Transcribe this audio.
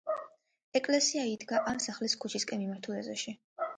ეკლესია იდგა ამ სახლის ქუჩისკენ მიმართულ ეზოში.